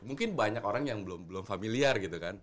mungkin banyak orang yang belum familiar gitu kan